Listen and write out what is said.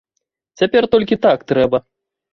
Цяпер толькі так трэба.